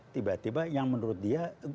tiba tiba yang menurut dia